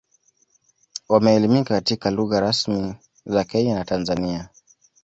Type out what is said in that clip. Wameelimika katika lugha rasmi za Kenya na Tanzania